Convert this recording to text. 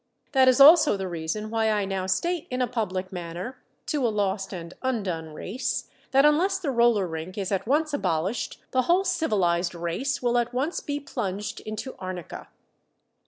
That is also the reason why I now state in a public manner, to a lost and undone race, that unless the roller rink is at once abolished, the whole civilized race will at once be plunged into arnica.